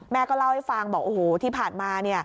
ก็เล่าให้ฟังบอกโอ้โหที่ผ่านมา